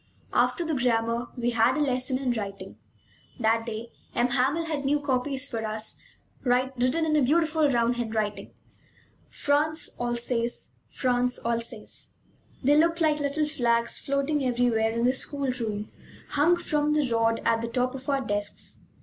After the grammar, we had a lesson in writing. That day M. Hamel had new copies for us, written in a beautiful round hand: France, Alsace, France, Alsace. They looked like little flags floating everywhere in the school room, hung from the rod at the top of our desks.